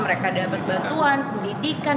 mereka dapat bantuan pendidikan